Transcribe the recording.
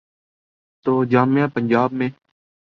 تو جامعہ پنجاب میں۔